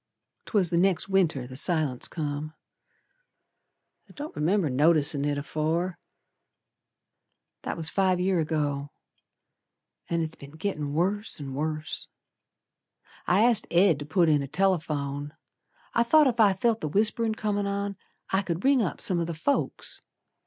'Twas the next Winter the silence come, I don't remember noticin' it afore. That was five year ago, An' it's been gittin' worse an' worse. I asked Ed to put in a telephone. I thought ef I felt the whisperin' comin' on I could ring up some o' th' folks.